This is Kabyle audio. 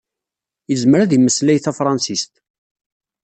Izmer ad imeslay tafṛansist.